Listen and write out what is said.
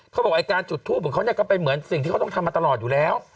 เขาบอกไอ้การจุดทูปของเขาเนี่ยก็เป็นเหมือนสิ่งที่เขาต้องทำมาตลอดอยู่แล้ว